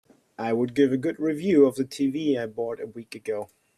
I would give a good review of the new TV I bought a week ago.